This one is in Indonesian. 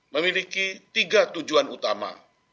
memiliki tiga tujuan utama